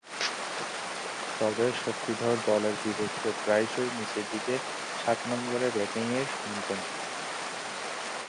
তবে, শক্তিধর দলের বিপক্ষে প্রায়শই নিচেরদিকে সাত নম্বরে ব্যাটিংয়ের নামতেন।